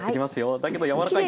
だけど柔らかい。